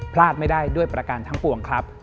พลาดไม่ได้ด้วยประการทั้งปวงครับ